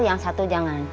yang satu jangan